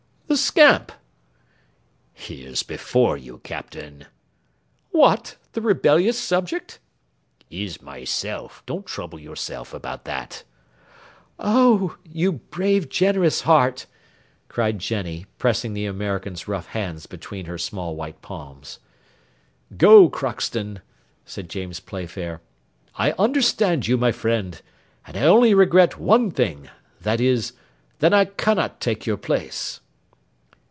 "The scamp." "He is before you, Captain." "What, the rebellious subject?" "Is myself; don't trouble yourself about that." "Oh! you brave, generous heart," cried Jenny, pressing the American's rough hands between her small white palms. "Go, Crockston," said James Playfair; "I understand you, my friend; and I only regret one thing that is, that I cannot take your place."